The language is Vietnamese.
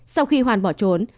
sau khi hoàn bỏ trốn